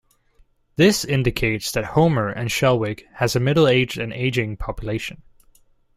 This indicates that Holmer and Shelwick has a middle-aged and ageing population.